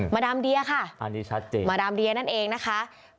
มาดามเดียค่ะมาดามเดียนั่นเองนะคะอันนี้ชัดจริง